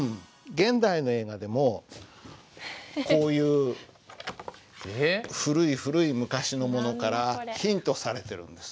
現代の映画でもこういう古い古い昔のものからヒントされてるんです。